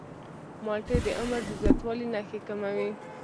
مالټې د عمر د زیاتوالي نښې کموي.